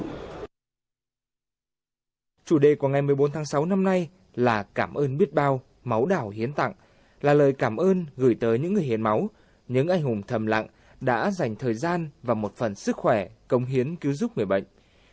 chủ đề của ngày một mươi bốn tháng sáu năm nay là cảm ơn biết bao máu đảo hiến tặng là lời cảm ơn gửi tới những người hiến máu những anh hùng thầm lặng đã dành thời gian và một phần sức khỏe công hiến cứu giúp người bệnh